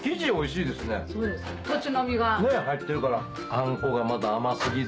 あんこがまた甘過ぎず。